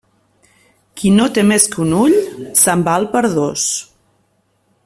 Qui no té més que un ull, se'n val per dos.